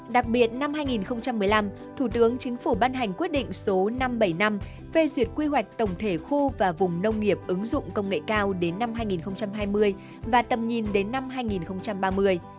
đặc biệt năm hai nghìn một mươi năm thủ tướng chính phủ ban hành quyết định số năm trăm bảy mươi năm về duyệt quy hoạch tổng thể khu và vùng nông nghiệp ứng dụng công nghệ cao đến năm hai nghìn hai mươi và tầm nhìn đến năm hai nghìn ba mươi